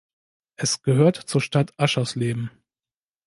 Es gehört zur Stadt Aschersleben.